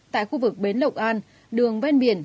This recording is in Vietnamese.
tại khu vực bến lộng an đường bên biển